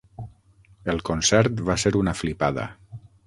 El concert va ser una flipada.